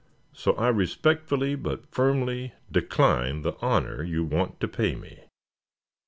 So I respectfully but firmly decline the honor you want to pay me.